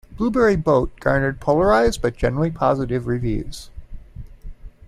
"Blueberry Boat" garnered polarized but generally positive reviews.